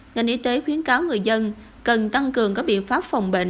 ngành y tế khuyến cáo người dân cần tăng cường các biện pháp phòng bệnh